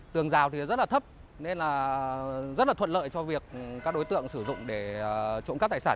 tường rào thì rất là thấp nên rất là thuận lợi cho việc các đối tượng sử dụng để trộm cắp tài sản